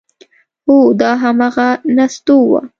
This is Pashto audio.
هو دا همغه نستوه و…